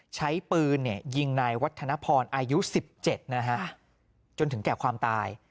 ใช้ปืนยิงนายวัฒนพรอายุ๑๗นะฮะจนถึงแก่ความตาย